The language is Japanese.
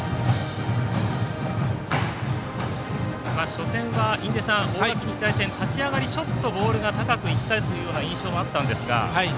初戦は大垣日大戦、立ち上がりちょっとボールが高くいったというような印象もあったんですが。